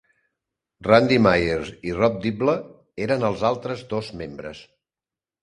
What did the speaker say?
Randy Myers i Rob Dibble eren els altres dos membres.